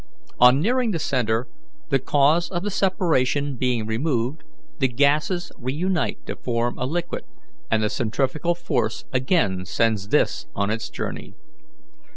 On nearing the centre, the cause of the separation being removed, the gases reunite to form a liquid, and the centrifugal force again sends this on its journey."